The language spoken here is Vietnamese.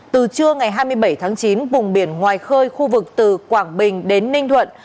từ trưa ngày hai mươi bảy tháng chín vùng biển ngoài khơi khu vực từ quảng bình đến ninh thuận